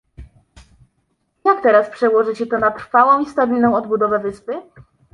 jak teraz przełoży się to na trwałą i stabilną odbudowę wyspy?